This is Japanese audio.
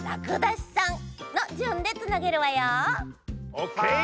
オッケー。